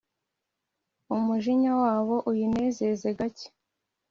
Umujinya wabo uyinezeze gake